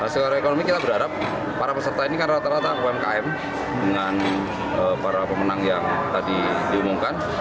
segar ekonomi kita berharap para peserta ini karena telah umkm dengan para pemenang yang tadi diumumkan